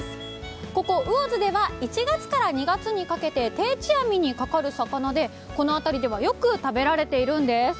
ここ魚津では１月から２月にかけて定置網にかかる魚でこの辺りではよく食べられているんです。